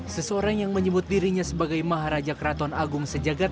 seseorang yang menyebut dirinya sebagai maharaja keraton agung sejagat